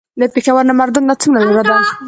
د پېښور نه مردان ته څومره لار ده؟